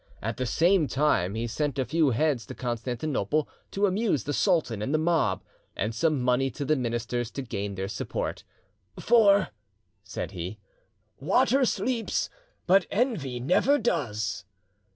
At the same time he sent a few heads to Constantinople, to amuse the sultan and the mob, and some money to the ministers to gain their support. "For," said he, "water sleeps, but envy never does."